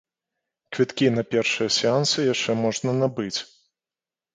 Квіткі на першыя сеансы яшчэ можна набыць.